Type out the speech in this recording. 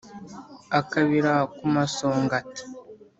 Akabira ku musongati.